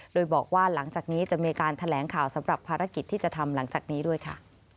โดยบอกว่าหลังจากนี้จะมีการแถลงข่าวสำหรับภารกิจที่จะทำหลังจากนี้ด้วยค่ะ